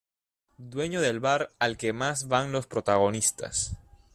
Dueño del bar al que más van los protagonistas.